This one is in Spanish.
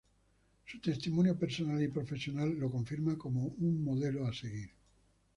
Su testimonio personal y profesional lo confirma como un modelo a seguir.